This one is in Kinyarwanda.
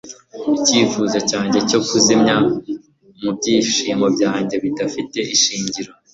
icyifuzo cyanjye cyo kuzimya mubyishimo byanjye bidafite ishingiro